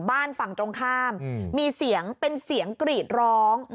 บ้านฝั่งตรงข้ามมีเสียงเป็นเสียงกรีดร้อง